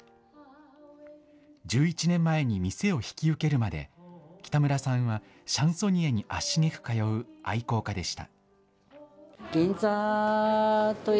１１年前に店を引き受けるまで、北村さんはシャンソニエに足しげく通う愛好家でした。